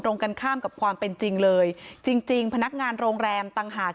ตรงกันข้ามกับความเป็นจริงเลยจริงจริงพนักงานโรงแรมต่างหาก